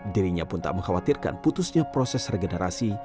dirinya pun tak mengkhawatirkan putusnya proses regenerasi